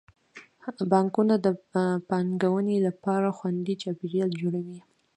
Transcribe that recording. بانکونه د پانګونې لپاره خوندي چاپیریال جوړوي.